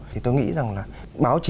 thì tôi nghĩ rằng là báo chí